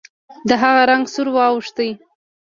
د هغه رنګ سور واوښت.